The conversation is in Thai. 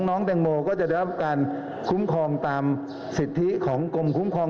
น้องแตงโมก็จะได้รับการคุ้มครองตามสิทธิของกรมคุ้มครอง